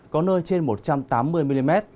có nơi trên một trăm tám mươi mm